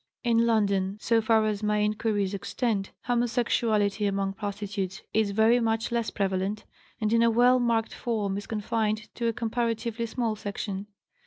In London, so far as my inquiries extend, homosexuality among prostitutes is very much less prevalent, and in a well marked form is confined to a comparatively small section.